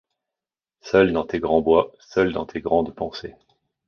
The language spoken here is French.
Seul dans tes grands bois, seul dans tes grandes pensées